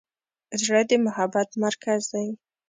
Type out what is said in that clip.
زړه د محبت مرکز دی.